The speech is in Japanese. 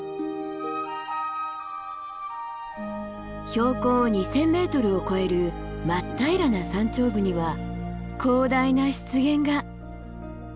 標高２，０００ｍを超える真っ平らな山頂部には広大な湿原が。